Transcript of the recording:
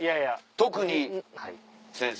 特に先生。